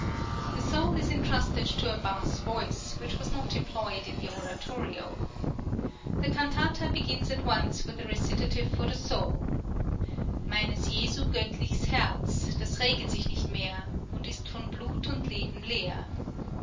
The Soul is intrusted to a bass voice, which was not employed in the oratorio. The cantata begins at once with a Recitative for the Soul: Meines Jesu gottlichs Herz Das reget sich nicht mehr, Und ist von Blut und Leben leer.